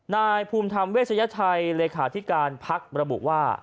นายภูมิธรรมเวชยชัยเลขาธิการพักระบุว่า